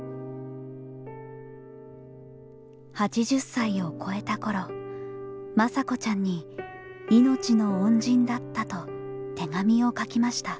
８０歳を越えた頃眞佐子ちゃんに「命の恩人だった」と手紙を書きました。